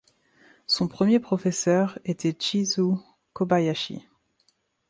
Son premier professeur était Chizu Kobayashi.